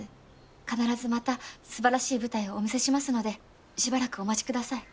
必ずまたすばらしい舞台をお見せしますのでしばらくお待ちください。